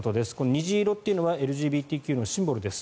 虹色というのはＬＧＢＴＱのシンボルです。